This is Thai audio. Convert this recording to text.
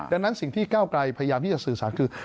ดังนั้นสิ่งที่ก้าวไกลพยายามที่จะสื่อสารคือ